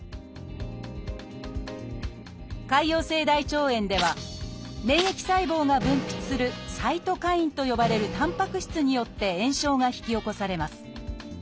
潰瘍性大腸炎では免疫細胞が分泌する「サイトカイン」と呼ばれるたんぱく質によって炎症が引き起こされます。